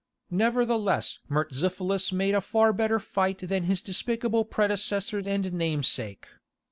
Nevertheless Murtzuphlus made a far better fight than his despicable predecessor and namesake.